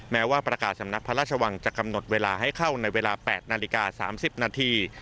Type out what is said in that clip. แม้ว่าประกาศสำนักพระราชวังจะกำหนดเวลาให้เข้าในเวลา๘นาฬิกา๓๐นาที